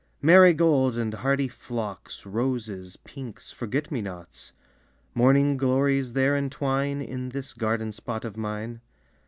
Marigold and Hardy Phlox, Roses, Pinks, Forget me nots, Morning glories there entwine In this garden spot of mine.